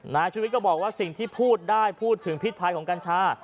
ชีวิตก็บอกว่าสิ่งที่พูดได้พูดถึงพิษภัยของกัญชา